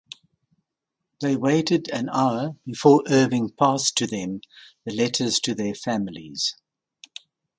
They waited an hour before Irving passed to them the letters to their families.